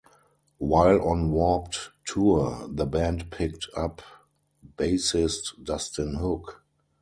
While on Warped Tour, the band picked up bassist Dustin Hook.